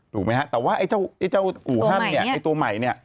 ถูกไหมครับแต่ว่าไอ้เจ้าอู่ฮันไอ้ตัวใหม่นี่